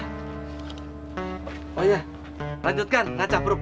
oh iya lanjutkan nggak capruk